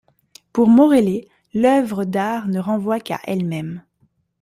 Pour Morellet, l'œuvre d'art ne renvoie qu'à elle-même.